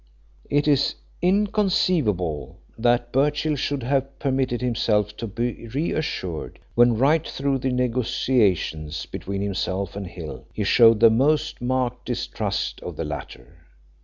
It is inconceivable that Birchill should have permitted himself to be reassured, when right through the negotiations between himself and Hill he showed the most marked distrust of the latter.